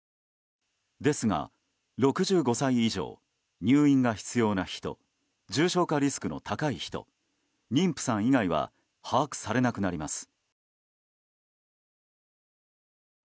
ですが、６５歳以上入院が必要な人重症化リスクの高い人妊婦さん以外は把握されなくなります。